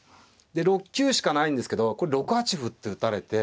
で６九しかないんですけどこれ６八歩って打たれて。